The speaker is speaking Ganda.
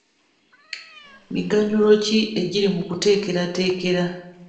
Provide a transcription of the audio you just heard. Miganyulo ki egiri mu kuteekerateekera?